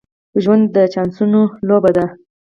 ژوند د چانسونو لوبه ده.